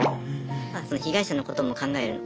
その被害者のことも考える